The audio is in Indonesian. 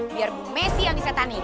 biar bu messi yang disetanin